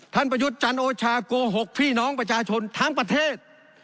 ประยุทธ์จันโอชาโกหกพี่น้องประชาชนทั้งประเทศ